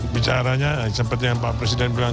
bicaranya seperti yang pak presiden bilang